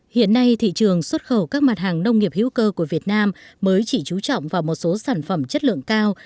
hiện nay thị trường xuất khẩu các mặt hàng nông nghiệp hữu cơ của việt nam mới chỉ trú trọng vào một số sản phẩm chất lượng cao